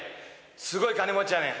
すごい金持ちやねん。